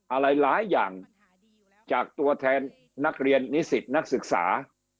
อะไรหลายอย่างจากตัวแทนนักเรียนนิสิตนักศึกษา